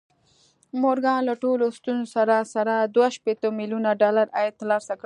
مورګان له ټولو ستونزو سره سره دوه شپېته ميليونه ډالر عايد ترلاسه کړ.